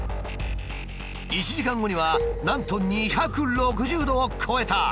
１時間後にはなんと２６０度を超えた。